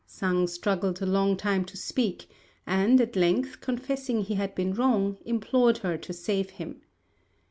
Sang struggled a long time to speak; and, at length, confessing he had been wrong, implored her to save him.